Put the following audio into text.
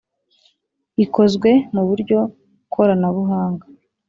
ikozwe mu buryo koranabuhanga